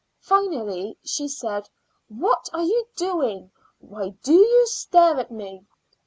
Finally she said: "What are you doing? Why do you stare at me?"